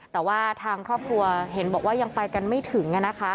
แต่ว่าทางครอบครัวเห็นบอกว่ายังไปกันไม่ถึง